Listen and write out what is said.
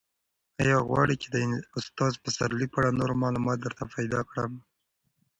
ایا غواړې چې د استاد پسرلي په اړه نور معلومات درته پیدا کړم؟